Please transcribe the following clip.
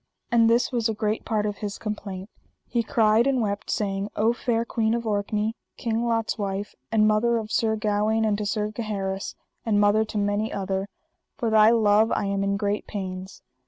And this was a great part of his complaint: he cried and wept, saying: O fair Queen of Orkney, King Lot's wife, and mother of Sir Gawaine, and to Sir Gaheris, and mother to many other, for thy love I am in great pains.